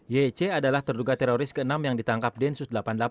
yc adalah terduga teroris ke enam yang ditangkap densus delapan puluh delapan